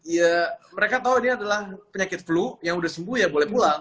ya mereka tahu ini adalah penyakit flu yang sudah sembuh ya boleh pulang